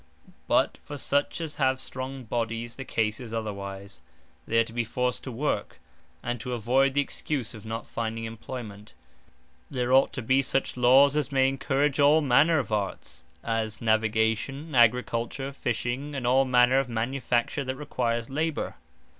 Prevention Of Idlenesse But for such as have strong bodies, the case is otherwise: they are to be forced to work; and to avoyd the excuse of not finding employment, there ought to be such Lawes, as may encourage all manner of Arts; as Navigation, Agriculture, Fishing, and all manner of Manifacture that requires labour.